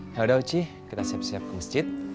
yaudah uci kita siap siap ke masjid